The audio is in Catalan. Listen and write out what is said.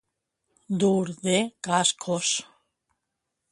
Dur de cascos.